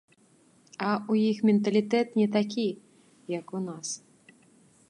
А ў іх менталітэт не такі, як у нас.